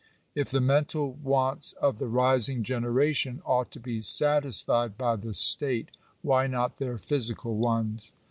If the mental wants of the rising generation ought to be satisfied by the state, why not their physical ones